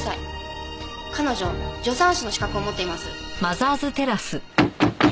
彼女助産師の資格を持っています。